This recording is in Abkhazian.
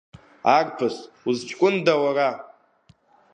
Арԥыс, узҷкәында уара?